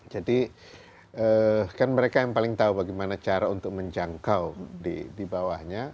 jadi kan mereka yang paling tahu bagaimana cara untuk menjangkau di bawahnya